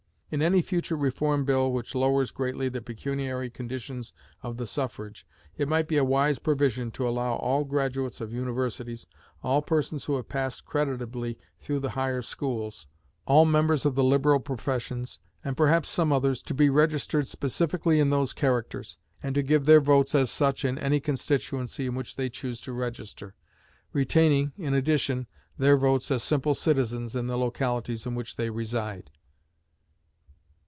In any future Reform Bill which lowers greatly the pecuniary conditions of the suffrage, it might be a wise provision to allow all graduates of universities, all persons who have passed creditably through the higher schools, all members of the liberal professions, and perhaps some others, to be registered specifically in those characters, and to give their votes as such in any constituency in which they choose to register; retaining, in addition, their votes as simple citizens in the localities in which they reside.